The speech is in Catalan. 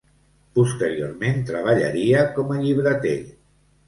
Posteriorment treballaria com a llibreter.